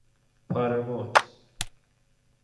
پاره موج